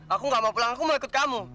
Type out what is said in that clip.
aku gak mau pulang aku mau ikut kamu